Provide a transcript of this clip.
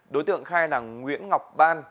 đối tượng khai là nguyễn ngọc ban